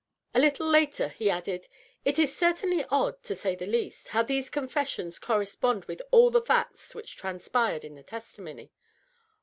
A little later he added, " It is cer tainly odd, to say the least, how these confessions correspond with all the facts which transpired in the testimony."